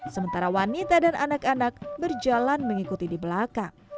sementara wanita dan anak anak berjalan mengikuti di belakang